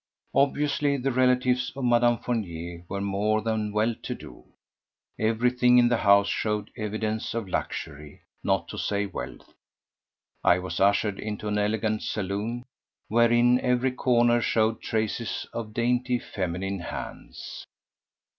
Obviously the relatives of Mme. Fournier were more than well to do. Everything in the house showed evidences of luxury, not to say wealth. I was ushered into an elegant salon wherein every corner showed traces of dainty feminine hands.